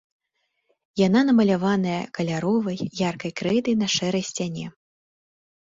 Яна намаляваная каляровай яркай крэйдай на шэрай сцяне.